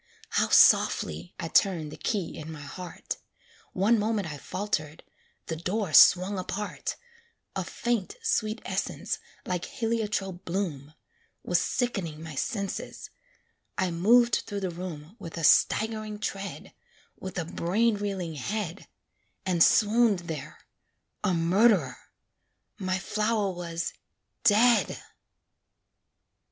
How softly I turned the key in my heart; One moment I faltered the door swung apart A faint, sweet essence, like heliotrope bloom, Was sick'ning my senses; I moved through the room With a staggering tread, With a brain reeling head, And swooned there a murd'rer my flower was dead.